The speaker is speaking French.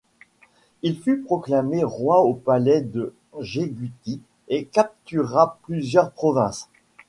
Il fut proclamé roi au palais de Geguti et captura plusieurs provinces.